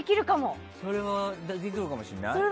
それはできるかもしれない？